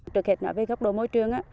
trước hết nói về góc độ môi trường